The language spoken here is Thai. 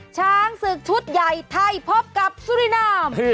ช้างศึกชุดใหญ่ไทยพบกับสุรินาม